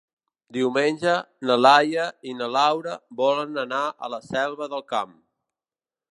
Diumenge na Laia i na Laura volen anar a la Selva del Camp.